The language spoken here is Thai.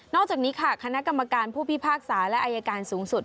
อกจากนี้ค่ะคณะกรรมการผู้พิพากษาและอายการสูงสุด